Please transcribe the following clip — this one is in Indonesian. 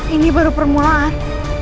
ini baru permulaan